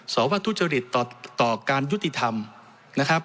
สอบว่าทุจริตต่อการยุติธรรมนะครับ